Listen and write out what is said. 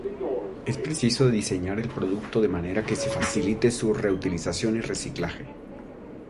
Es preciso diseñar el producto de manera que se facilite su reutilización y reciclaje.